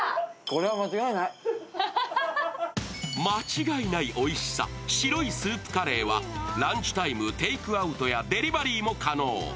間違いないおいしさ、白いスープカレーはランチタイム、テイクアウトやデリバリーも可能。